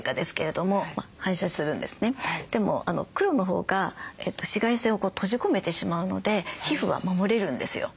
でも黒のほうが紫外線を閉じ込めてしまうので皮膚は守れるんですよ。